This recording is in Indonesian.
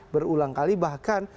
berulang kali bahkan